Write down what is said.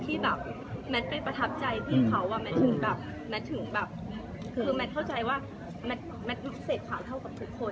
ที่แมทไปประทับใจพี่เขาว่าแมทถึงแบบคือแมทเข้าใจว่าแมทเสร็จขาวเท่ากับทุกคน